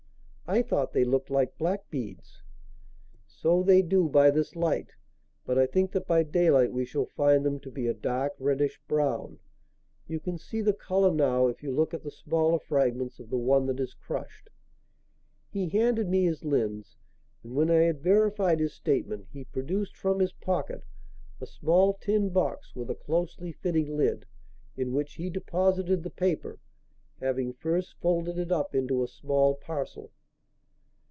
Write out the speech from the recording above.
"I thought they looked like black beads." "So they do by this light, but I think that by daylight we shall find them to be a dark, reddish brown. You can see the colour now if you look at the smaller fragments of the one that is crushed." He handed me his lens, and, when I had verified his statement, he produced from his pocket a small tin box with a closely fitting lid in which he deposited the paper, having first folded it up into a small parcel.